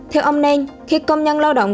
theo ông nen khi công nhân lao động